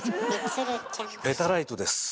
ペタライトです。